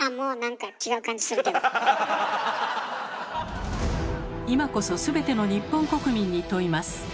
あもうなんか今こそ全ての日本国民に問います。